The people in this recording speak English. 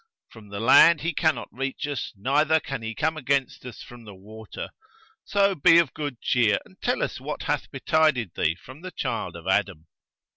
From the land he cannot reach us neither can he come against us from the water. So be of good cheer and tell us what hath betided thee from the child of Adam."